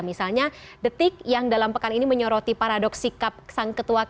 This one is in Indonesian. misalnya detik yang dalam pekan ini menyoroti paradoks sikap sang ketua kpk